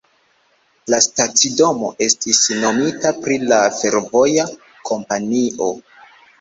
La stacidomo estis nomita pri la fervoja kompanio.